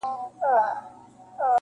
نیمه شپه روان د خپل بابا پر خوا سو-